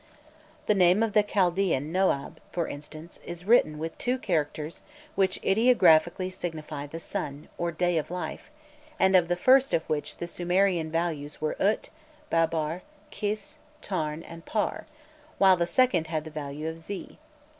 The name of the Chaldæan Noab, for instance, is written with two characters which ideographically signify "the sun" or "day of life," and of the first of which the Sumerian values were ut, babar, khis, tarn, and par, while the second had the value of zi.